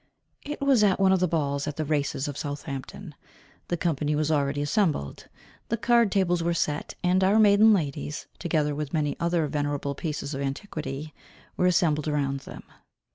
It was at one of the balls at the races at Southampton the company was already assembled. The card tables were set, and our maiden ladies, together with many other venerable pieces of antiquity, were assembled around them.